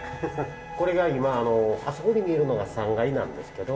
これが今あそこに見えるのが３階なんですけど。